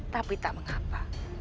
tapi tak mengapa